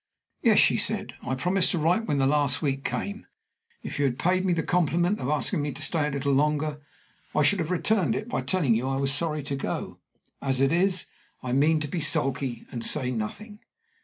"Yes," she said. "I promised to write when the last week came. If you had paid me the compliment of asking me to stay a little longer, I should have returned it by telling you I was sorry to go. As it is, I mean to be sulky and say nothing."